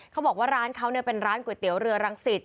เขาบอกว่าร้านเขาเป็นร้านก๋วยเตี๋ยวเรือรังสิต